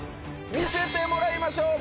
見せてもらいましょう！